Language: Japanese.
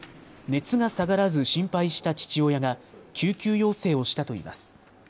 熱が下がらず心配した父親が救急要請をしたといいます。